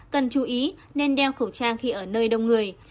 cần chú ý nên đeo khẩu trang khi ở nơi đông người